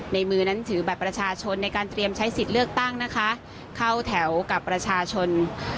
มือนั้นถือบัตรประชาชนในการเตรียมใช้สิทธิ์เลือกตั้งนะคะเข้าแถวกับประชาชน